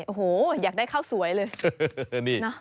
โอ้โหอยากได้ข้าวสวยเลย